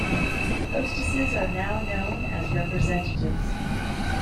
Hostesses are now known as representatives.